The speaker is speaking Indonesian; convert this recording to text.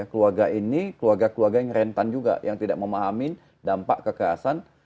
keluarga ini keluarga keluarga yang rentan juga yang tidak memahami dampak kekerasan